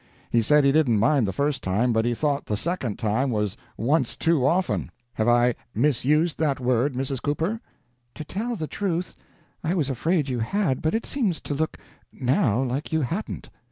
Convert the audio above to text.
He said he didn't mind the first time, but he thought the second time was once too often. Have I misused that word, Mrs. Cooper?" "To tell the truth, I was afraid you had, but it seems to look, now, like you hadn't."